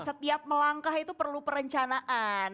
setiap melangkah itu perlu perencanaan